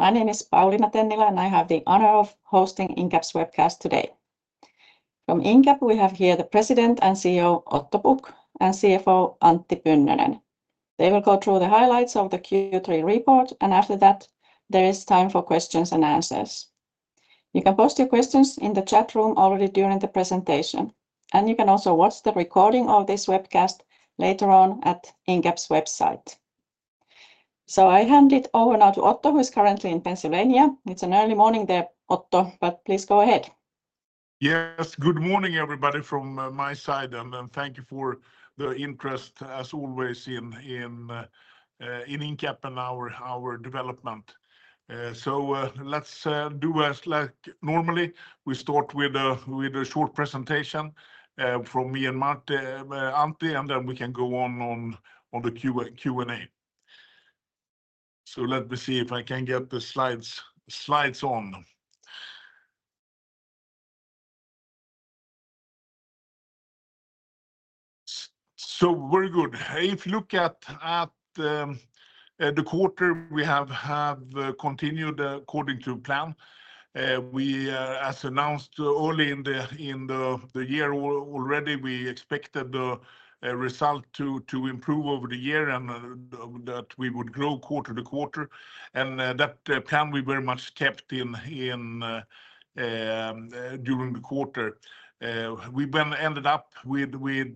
My name is Pauliina Tennilä, and I have the honor of hosting Incap's webcast today. From Incap, we have here the President and CEO, Otto Pukk, and CFO, Antti Pynnönen. They will go through the highlights of the Q3 report, and after that, there is time for questions and answers. You can post your questions in the chat room already during the presentation, and you can also watch the recording of this webcast later on at Incap's website. So I hand it over now to Otto, who is currently in Pennsylvania. It's an early morning there, Otto, but please go ahead. Yes, good morning, everybody, from my side, and thank you for the interest, as always, in Incap and our development. So let's do as like normally, we start with a short presentation from me and Antti, and then we can go on the Q&A. So let me see if I can get the slides on. So very good. If you look at the quarter, we have continued according to plan. We, as announced early in the year already, we expected the result to improve over the year and that we would grow quarter to quarter, and that plan we very much kept during the quarter. We then ended up with,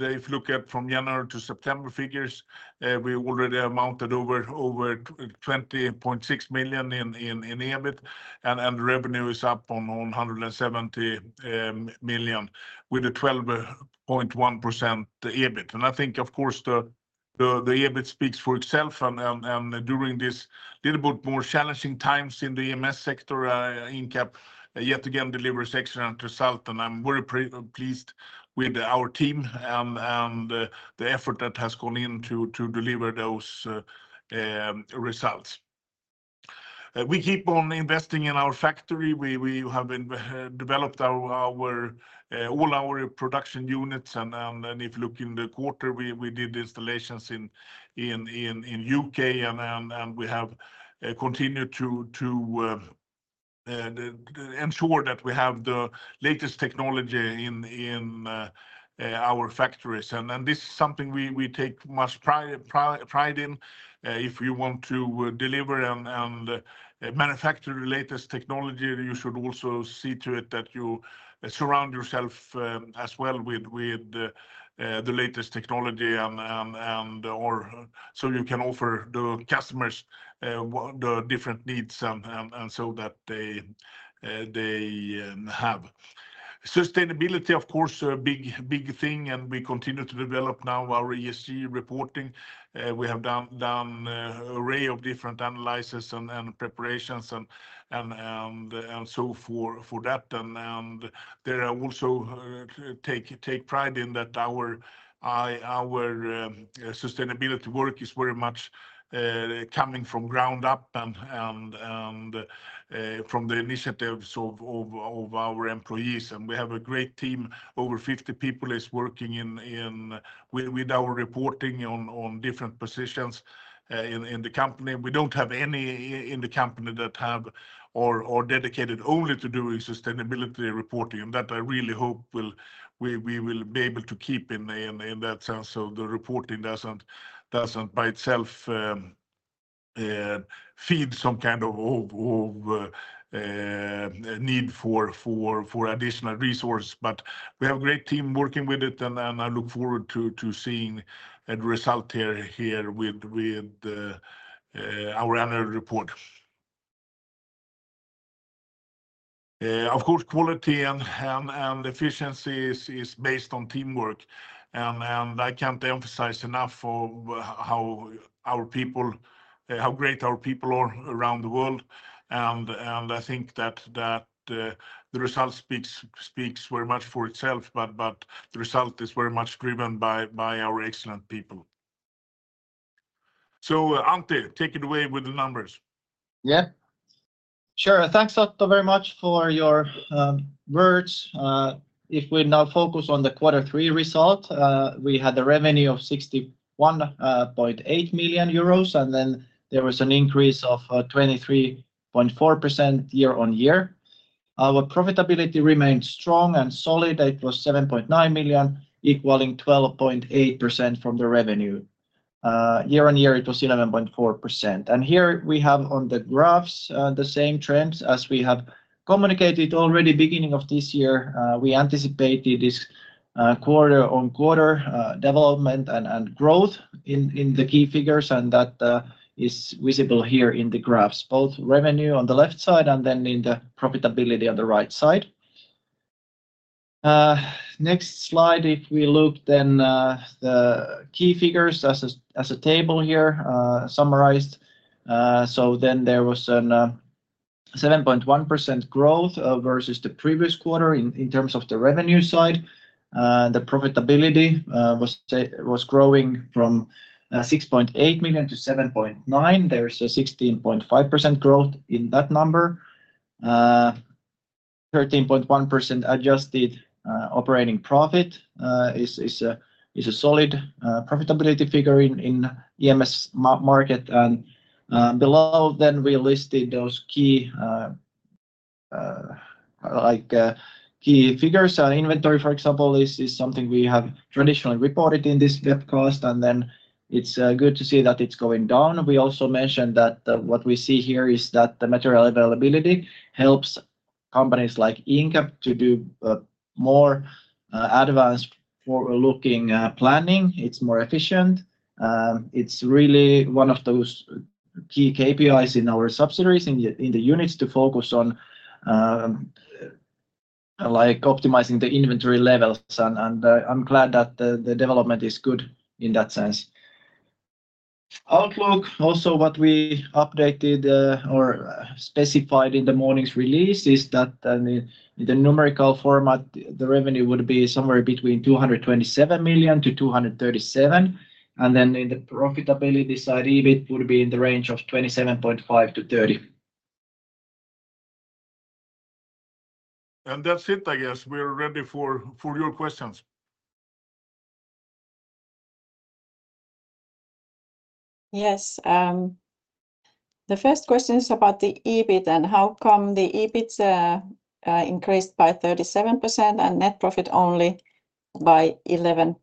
if you look at from January to September figures, we already amounted over 20.6 million in EBIT, and revenue is up on 170 million, with a 12.1% EBIT. I think, of course, the EBIT speaks for itself, and during this little bit more challenging times in the EMS sector, Incap yet again delivers excellent result, and I'm very pleased with our team and the effort that has gone in to deliver those results. We keep on investing in our factory. We have been developing our production units, and if you look in the quarter, we did installations in U.K., and we have continued to ensure that we have the latest technology in our factories. This is something we take much pride in. If you want to deliver and manufacture the latest technology, you should also see to it that you surround yourself as well with the latest technology and so you can offer the customers the different needs and so that they have. Sustainability, of course, a big thing, and we continue to develop now our ESG reporting. We have done an array of different analysis and preparations and so for that. We also take pride in that our sustainability work is very much coming from the ground up and from the initiatives of our employees. We have a great team. Over 50 people is working with our reporting on different positions in the company. We don't have anyone in the company that is dedicated only to doing sustainability reporting, and that I really hope we will be able to keep in that sense so the reporting doesn't by itself feed some kind of need for additional resources. But we have a great team working with it, and I look forward to seeing a result here with our annual report. Of course, quality and efficiency is based on teamwork, and I can't emphasize enough how great our people are around the world. I think that the result speaks very much for itself, but the result is very much driven by our excellent people. So Antti, take it away with the numbers. Yeah. Sure. Thanks, Otto, very much for your words. If we now focus on the quarter three result, we had a revenue of 61.8 million euros, and then there was an increase of 23.4% year on year. Our profitability remained strong and solid. It was 7.9 million, equaling 12.8% from the revenue. Year on year, it was 11.4%. Here we have on the graphs the same trends as we have communicated already beginning of this year. We anticipated this quarter on quarter development and growth in the key figures, and that is visible here in the graphs, both revenue on the left side and then in the profitability on the right side. Next slide, if we look then, the key figures as a table here, summarized. So then there was a 7.1% growth versus the previous quarter in terms of the revenue side. The profitability was growing from 6.8 million to 7.9 million. There is a 16.5% growth in that number. 13.1% adjusted operating profit is a solid profitability figure in the EMS market. And below, then we listed those key, like, key figures. Inventory, for example, is something we have traditionally reported in this webcast, and then it's good to see that it's going down. We also mentioned that what we see here is that the material availability helps companies like Incap to do more advanced, forward-looking planning. It's more efficient. It's really one of those key KPIs in our subsidiaries, in the units to focus on like optimizing the inventory levels, and I'm glad that the development is good in that sense. Outlook, also what we updated or specified in the morning's release, is that in the numerical format, the revenue would be somewhere between 227 million to 237 million. And then in the profitability side, EBIT would be in the range of 27.5 million to 30 million. That's it, I guess. We're ready for your questions. Yes, the first question is about the EBIT, and how come the EBIT increased by 37% and net profit only by 11%?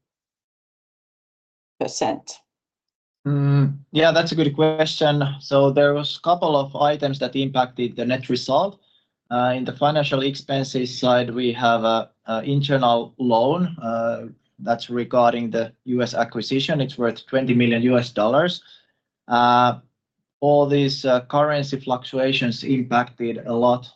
Yeah, that's a good question. So there was couple of items that impacted the net result. In the financial expenses side, we have a internal loan that's regarding the U.S. acquisition. It's worth $20 million. All these currency fluctuations impacted a lot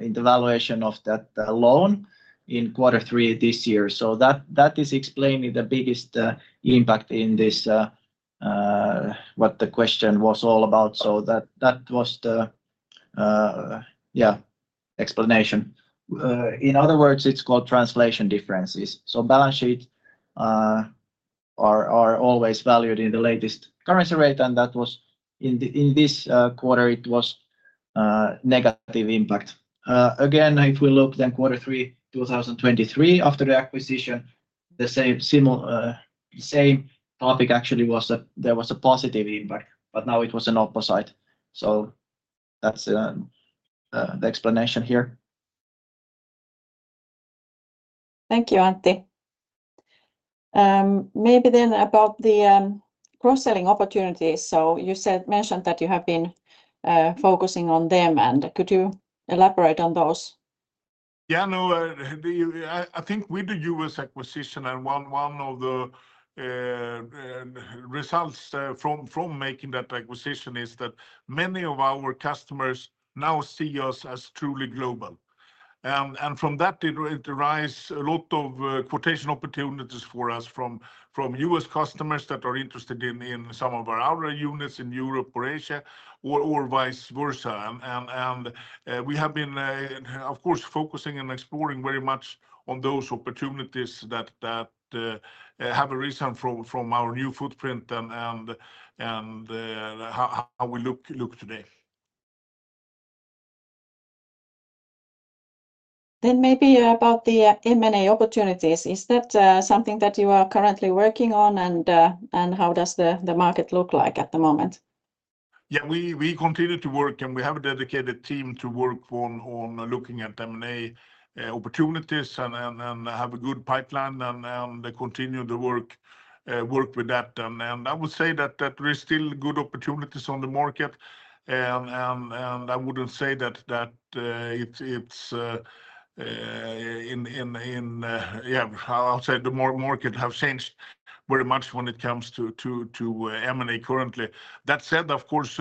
in the valuation of that loan in quarter three this year. So that is explaining the biggest impact in this what the question was all about. So that was the yeah explanation. In other words, it's called translation differences. So balance sheet are always valued in the latest currency rate, and that was in the in this quarter it was negative impact. Again, if we look then quarter three, 2023, after the acquisition, the same, similar, same topic, actually, there was a positive impact, but now it was an opposite. So that's the explanation here. Thank you, Antti. Maybe then about the cross-selling opportunities. So you said, mentioned that you have been focusing on them, and could you elaborate on those? Yeah, no, I think with the U.S. acquisition, and one of the results from making that acquisition, is that many of our customers now see us as truly global. And from that it arise a lot of quotation opportunities for us from U.S. customers that are interested in some of our other units in Europe or Asia, or vice versa. And we have been, of course, focusing and exploring very much on those opportunities that have arisen from our new footprint and how we look today. Then maybe about the M&A opportunities, is that something that you are currently working on, and how does the market look like at the moment? Yeah, we continue to work, and we have a dedicated team to work on looking at M&A opportunities and have a good pipeline and continue the work with that. And I would say that there is still good opportunities on the market. And I wouldn't say that it's yeah, I'll say the market have changed very much when it comes to M&A currently. That said, of course,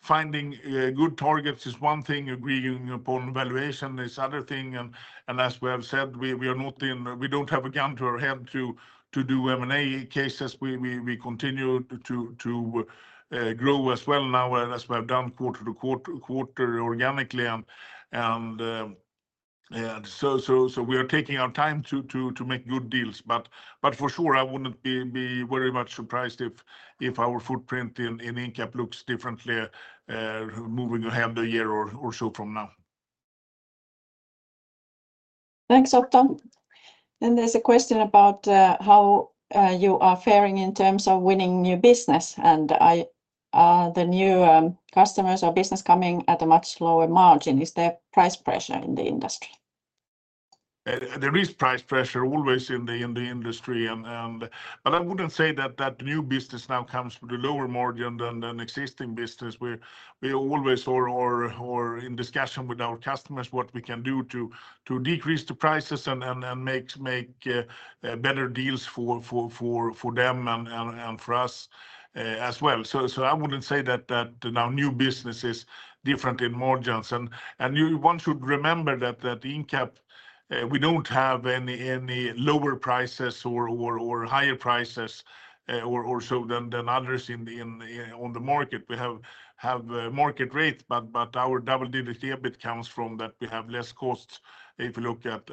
finding good targets is one thing, agreeing upon valuation is other thing, and as we have said, we are not in... we don't have a gun to our head to do M&A cases. We continue to grow as well now, as we have done quarter to quarter organically. We are taking our time to make good deals, but for sure I wouldn't be very much surprised if our footprint in Incap looks differently moving ahead a year or so from now. Thanks, Otto. Then there's a question about how you are faring in terms of winning new business, and the new customers or business coming at a much lower margin. Is there price pressure in the industry? There is price pressure always in the industry, and but I wouldn't say that new business now comes with a lower margin than existing business. We always are in discussion with our customers what we can do to decrease the prices and make better deals for them and for us as well. So I wouldn't say that now new business is different in margins. And one should remember that Incap we don't have any lower prices or higher prices or also than others in on the market. We have market rates, but our double-digit EBIT comes from that we have less costs if you look at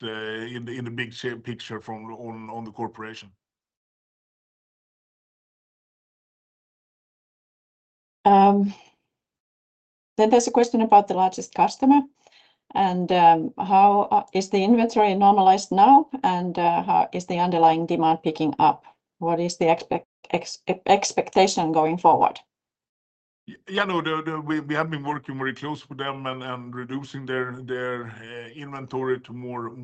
in the big picture from on the corporation. Then there's a question about the largest customer, and how is the inventory normalized now, and how is the underlying demand picking up? What is the expectation going forward? Yeah, no, we have been working very close with them and reducing their inventory to more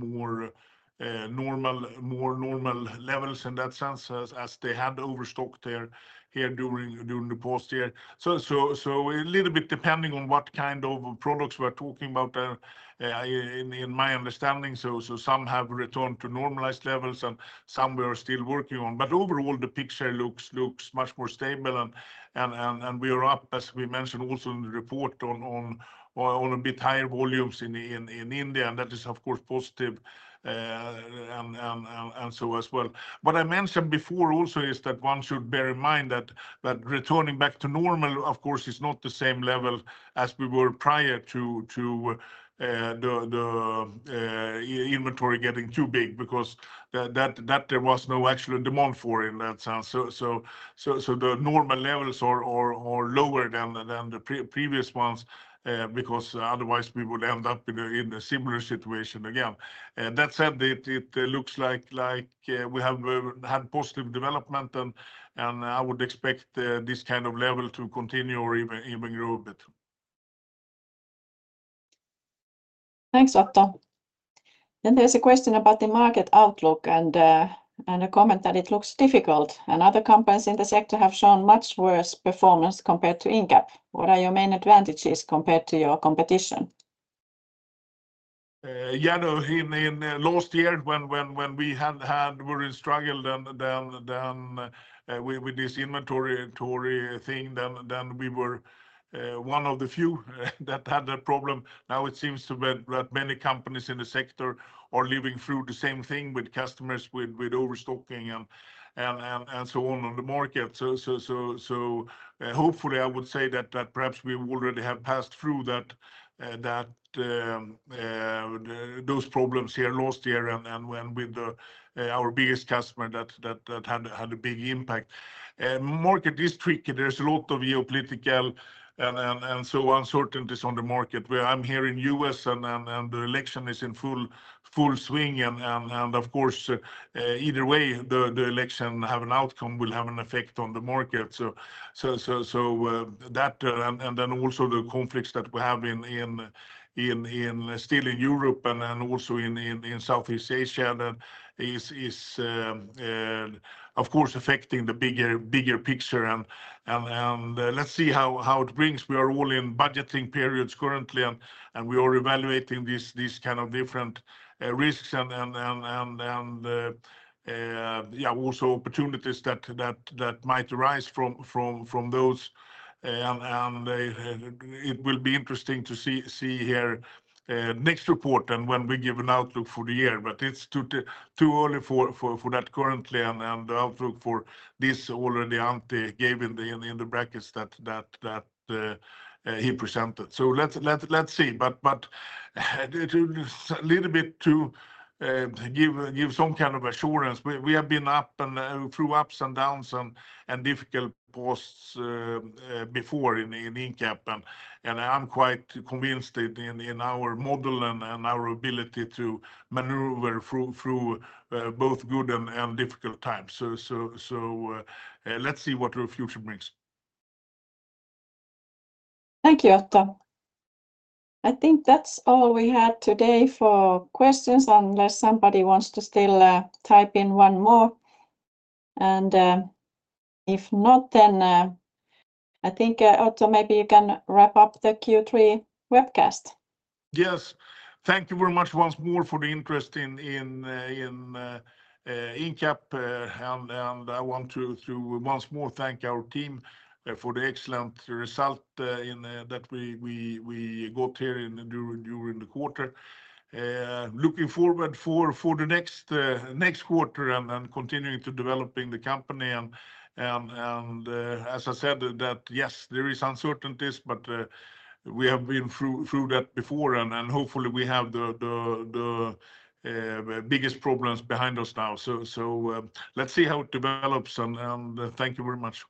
normal levels in that sense, as they had overstocked their inventory here during the past year, so a little bit depending on what kind of products we're talking about there, in my understanding, so some have returned to normalized levels, and some we are still working on, but overall, the picture looks much more stable, and we are up, as we mentioned also in the report, on a bit higher volumes in India, and that is, of course, positive, and so as well. What I mentioned before also is that one should bear in mind that returning back to normal, of course, is not the same level as we were prior to the inventory getting too big because there was no actual demand for in that sense. So the normal levels are lower than the previous ones because otherwise we would end up in a similar situation again. That said, it looks like we have had positive development and I would expect this kind of level to continue or even grow a bit. Thanks, Otto. Then there's a question about the market outlook and, and a comment that it looks difficult, and other companies in the sector have shown much worse performance compared to Incap. What are your main advantages compared to your competition? Yeah, no, in last year, when we had really struggled and then with this inventory thing, then we were one of the few that had that problem. Now it seems to be that many companies in the sector are living through the same thing with customers, with overstocking and so on on the market, so hopefully I would say that perhaps we already have passed through those problems here last year and with our biggest customer that had a big impact. Market is tricky. There's a lot of geopolitical and so uncertainties on the market. Where I'm here in U.S. and the election is in full swing and of course, either way, the election have an outcome will have an effect on the market. So that and then also the conflicts that we have in still in Europe and then also in Southeast Asia, that is of course affecting the bigger picture. And let's see how it brings. We are all in budgeting periods currently, and we are evaluating these kind of different risks and yeah also opportunities that might arise from those. And it will be interesting to see here next report and when we give an outlook for the year, but it's too early for that currently, and the outlook for this already Antti gave in the brackets that he presented. So let's see, but a little bit to give some kind of assurance, we have been up and through ups and downs and difficult past before in Incap, and I'm quite convinced in our model and our ability to maneuver through both good and difficult times. So let's see what the future brings. Thank you, Otto. I think that's all we had today for questions, unless somebody wants to still type in one more. And if not, then I think, Otto, maybe you can wrap up the Q3 webcast. Yes. Thank you very much once more for the interest in Incap, and I want to once more thank our team for the excellent result in that we got here during the quarter. Looking forward for the next quarter and then continuing to developing the company, and as I said, that yes, there is uncertainties, but we have been through that before, and hopefully we have the biggest problems behind us now. Let's see how it develops, and thank you very much.